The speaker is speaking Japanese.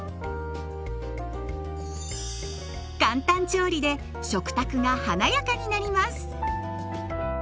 簡単調理で食卓が華やかになります。